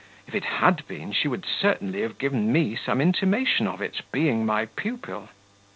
If it had been, she would certainly have given me some intimation of it, being my pupil."